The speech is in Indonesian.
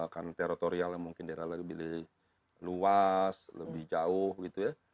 karena teritorialnya mungkin daerah lebih luas lebih jauh gitu ya